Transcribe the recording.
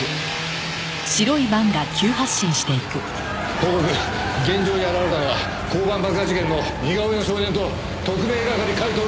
報告現場に現れたのは交番爆破事件の似顔絵の少年と特命係甲斐享。